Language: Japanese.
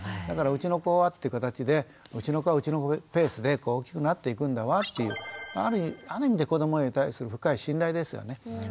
だから「うちの子は」って形で「うちの子はうちの子のペースで大きくなっていくんだわ」っていうある意味で子どもに対する深い信頼ですよね。